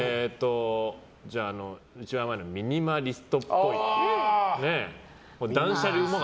じゃあ、一番前のミニマリストっぽい。